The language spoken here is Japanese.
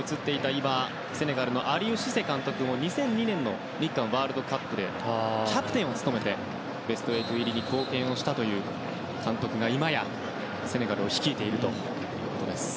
セネガルのアリウ・シセ監督も２００２年日韓ワールドカップでキャプテンを務めてベスト８入りに貢献したという監督が今や、セネガルを率いているということです。